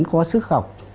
có sức học